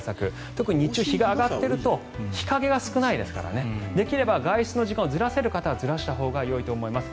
特に日中、日が上がっていると日陰が少ないですからできれば外出の時間をずらせる方はずらしたほうがよいと思います。